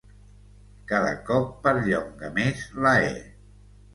Cada cop perllonga més la e.